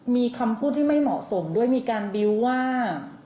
มีคำพูดที่ไม่เหมาะสมด้วยมีการบิวต์ว่า